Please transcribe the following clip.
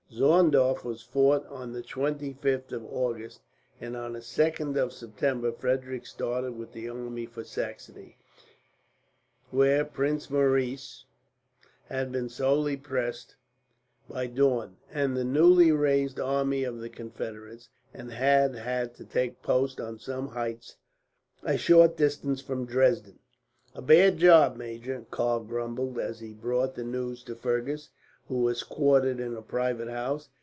Zorndorf was fought on the 25th of August; and on the 2nd of September Frederick started with the army for Saxony, where Prince Maurice had been sorely pressed by Daun and the newly raised army of the Confederates, and had had to take post on some heights a short distance from Dresden. "A bad job, major," Karl grumbled as he brought the news to Fergus, who was quartered in a private house.